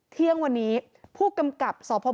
เที่ยงวันนี้พวกกำกับศพบ